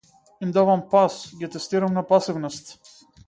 Им давам пас, ги тестирам на пасивност.